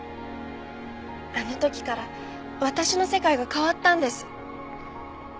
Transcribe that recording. あの時から私の世界が変わったんです。